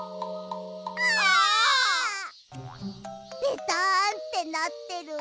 ベタンってなってる！